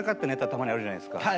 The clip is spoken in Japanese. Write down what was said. たまにあるじゃないですか。